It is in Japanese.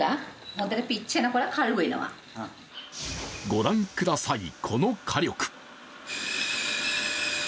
御覧ください、この火力。